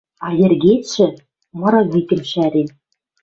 А йӹргецшӹ, мыры викӹм шӓрен